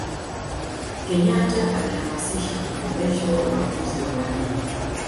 kenyata alihamasisha kukomeshwa ubaguzi wa rangi